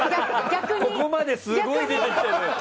ここまですごい出てきたのに。